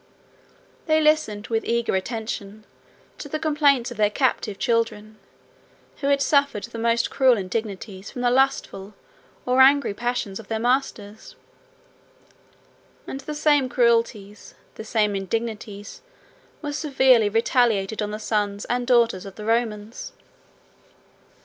They listened, with eager attention, to the complaints of their captive children, who had suffered the most cruel indignities from the lustful or angry passions of their masters, and the same cruelties, the same indignities, were severely retaliated on the sons and daughters of the Romans.